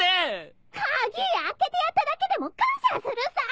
鍵開けてやっただけでも感謝するさ！